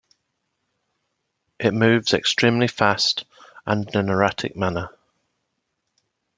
It moves extremely fast and in an erratic manner.